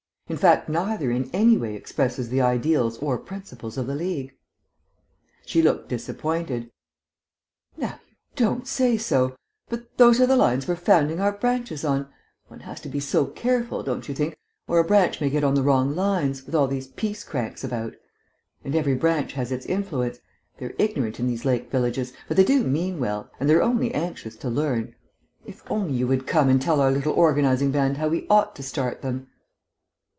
In fact, neither in any way expresses the ideals or principles of the League." She looked disappointed. "Now, you don't say so! But those are the lines we're founding our branches on. One has to be so careful, don't you think, or a branch may get on the wrong lines, with all these peace cranks about. And every branch has its influence. They're ignorant in these lake villages, but they do mean well, and they're only anxious to learn. If only you would come and tell our little organising band how we ought to start them!"